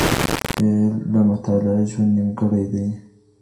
بې له مطالعې ژوند نيمګړی دی.